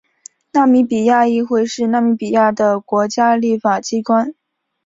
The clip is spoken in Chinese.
纳米比亚议会是纳米比亚的国家立法机关。